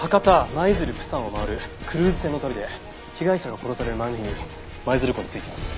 舞鶴釜山を回るクルーズ船の旅で被害者が殺される前の日に舞鶴港に着いています。